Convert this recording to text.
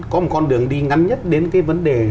có một con đường đi ngắn nhất đến cái vấn đề